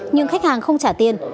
nhưng khách hàng không trả tiền